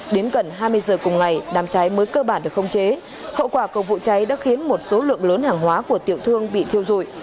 đến gần hai mươi giờ cùng ngày đám cháy mới cơ bản được không chế hậu quả của vụ cháy đã khiến một số lượng lớn hàng hóa của tiểu thương bị thiêu dụi